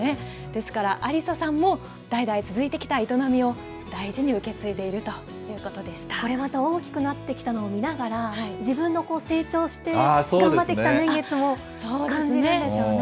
ですから安理沙さんも、代々続いてきた営みを大事に受け継いでいこれまた大きくなってきたのを見ながら、自分の成長して頑張ってきた年月を感じるんでしょう